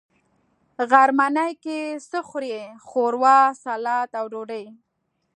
غرمنۍ کی څه خورئ؟ ښوروا، ، سلاډ او ډوډۍ